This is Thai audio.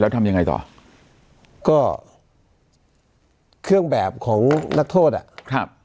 ทำยังไงต่อก็เครื่องแบบของนักโทษอ่ะครับ